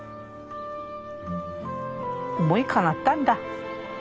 思いかなったんだ。